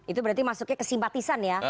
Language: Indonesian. itu berarti masuknya kesimpatisan ya